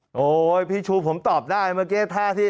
โอ้โหพี่ชูผมตอบได้เมื่อกี้ท่าที่